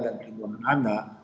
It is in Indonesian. dan perhubungan anak